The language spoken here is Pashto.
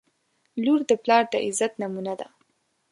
• لور د پلار د عزت نمونه ده.